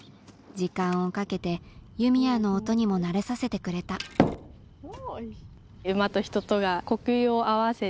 時間をかけて弓矢の音にも慣れさせてくれた呼吸を合わせ。